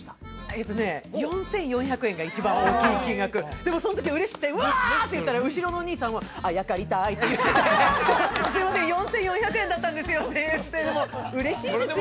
えっとね４４００円が一番大きい金額でもそん時嬉しくて「うわ！」って言ったら後ろのお兄さんは「あやかりたい」って言ってて「すいません４４００円だったんですよ」って言ってでも嬉しいです